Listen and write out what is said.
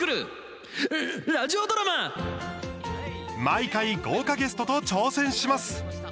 毎回、豪華ゲストと挑戦します。